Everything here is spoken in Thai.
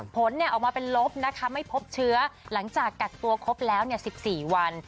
ผลออกมาเป็นลบนะคะไม่พบเชื้อหลังจากกักตัวครบแล้ว๑๔วัน